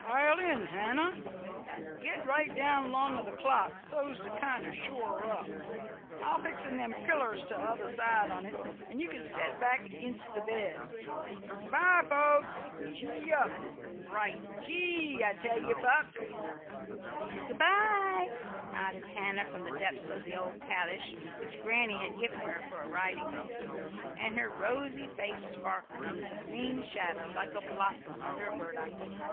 "Pile in, Hannah. Get right down 'long o' the clock, so's to kinder shore it up. I'll fix in them pillers t'other side on't, and you can set back ag'inst the bed. Good bye, folks! Gee up! Bright. Gee! I tell ye, Buck." [Footnote 30: Adapted from "Huckleberries," Houghton, Mifflin Co.] "Good bye!" nodded Hannah, from the depths of the old calash which granny had given her for a riding hood, and her rosy face sparkled under the green shadow like a blossom under a burdock leaf.